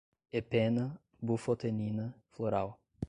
epena, bufotenina, floral